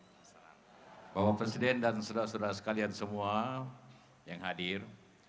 saya bapak presiden dan saudara saudara sekalian semua yang hadir